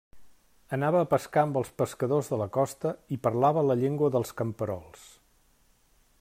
Anava a pescar amb els pescadors de la costa i parlava la llengua dels camperols.